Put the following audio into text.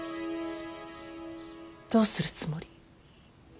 どうするつもり。